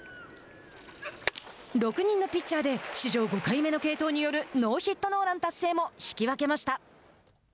６人のピッチャーで史上５回目の継投によるノーヒットノーラン達成も引き分けました。